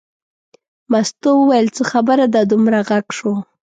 مستو وویل څه خبره ده دومره غږ شو.